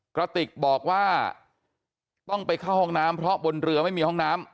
กระติกบอกว่าต้องไปเข้าห้องน้ำเพราะบนเรือไม่มีห้องน้ำ